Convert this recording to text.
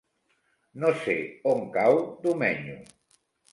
No sé on cau Domenyo.